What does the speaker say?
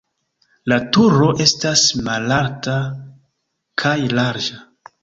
La turo estas malalta kaj larĝa.